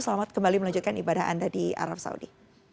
selamat kembali melanjutkan ibadah anda di arab saudi